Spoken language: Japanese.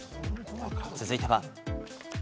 続いては。